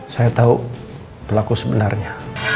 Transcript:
saya tahu pelaku sebenarnya